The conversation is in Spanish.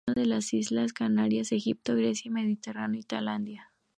Tienen destinos en las Islas Canarias, Egipto, Grecia, el Mediterráneo y Tailandia.